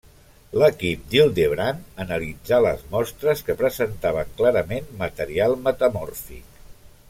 L'equip d'Hildebrand analitzà les mostres, que presentaven clarament material metamòrfic.